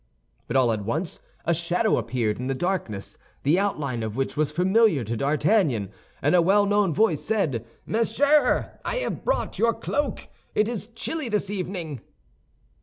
But all at once a shadow appeared in the darkness the outline of which was familiar to D'Artagnan, and a well known voice said, "Monsieur, I have brought your cloak; it is chilly this evening."